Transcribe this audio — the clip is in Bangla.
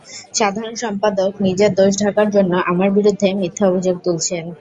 সাধারণ সম্পাদক নিজের দোষ ঢাকার জন্য আমার বিরুদ্ধে মিথ্যা অভিযোগ তুলছেন।